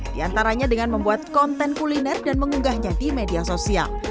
di antaranya dengan membuat konten kuliner dan mengunggahnya di media sosial